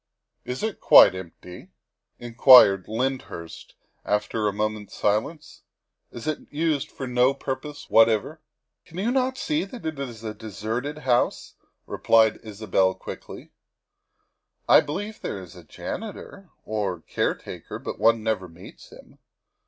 '' "Is it quite empty?" inquired Lyndhurst after a moment's silence. "Is it used for no purpose what ever?" " Can you not see that it is a deserted house?" re 142 THE WIFE OF plied Isabel quickly. " I believe there is a janitor, or caretaker, but one never meets him.